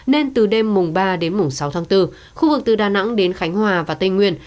nên từ đêm mùng ba đến mùng sáu tháng bốn khu vực từ đà nẵng đến khánh hòa và tây nguyên